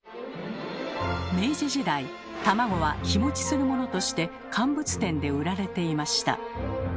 明治時代卵は日持ちするものとして乾物店で売られていました。